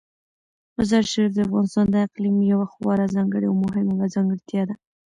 مزارشریف د افغانستان د اقلیم یوه خورا ځانګړې او مهمه ځانګړتیا ده.